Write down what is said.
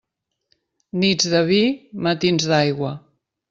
Nits de vi, matins d'aigua.